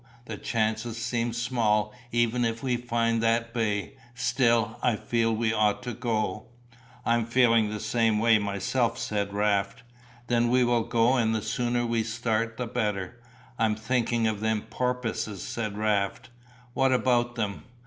The chances seem small, even if we find that bay; still, I feel we ought to go." "I'm feelin' the same way myself," said Raft. "Then we will go and the sooner we start the better." "I'm thinking of them porpoises," said Raft. "What about them?"